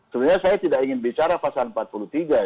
sebenarnya saya tidak ingin bicara pasal empat puluh tiga ya